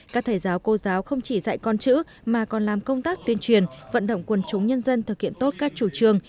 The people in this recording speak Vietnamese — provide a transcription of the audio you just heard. các thầy giáo cô giáo không chỉ dạy con chữ mà còn làm công tác tuyên truyền vận động quân chúng nhân dân thực hiện tốt các chủ trương